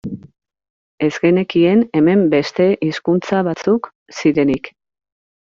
Ez genekien hemen beste hizkuntza batzuk zirenik.